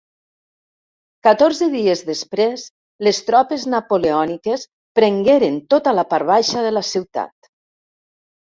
Catorze dies després les tropes napoleòniques prengueren tota la part baixa de la ciutat.